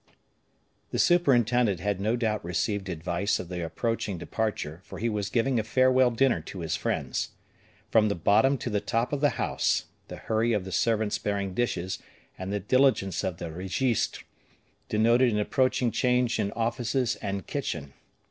The superintendent had no doubt received advice of the approaching departure, for he was giving a farewell dinner to his friends. From the bottom to the top of the house, the hurry of the servants bearing dishes, and the diligence of the registres, denoted an approaching change in offices and kitchen.